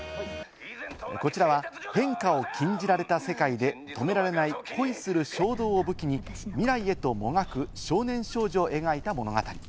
こちらは変化を禁じられた世界で止められない、恋する衝動を武器に、未来へともがく少年少女を描いた物語。